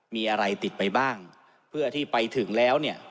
มีอะไรติดไปบ้างเพื่อที่ไปถึงแล้วเนี่ย